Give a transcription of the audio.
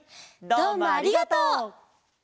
どうもありがとう！